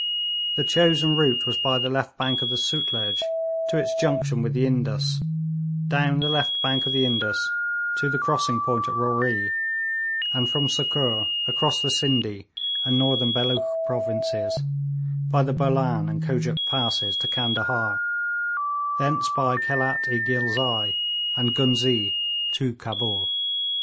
The chosen route was by the left bank of the Sutlej to its junction with the Indus, down the left bank of the Indus to the crossing point at Roree, and from Sukkur across the Scinde and northern Belooch provinces by the Bolan and Kojuk passes to Candahar, thence by Khelat i Ghilzai and Ghuznee to Cabul.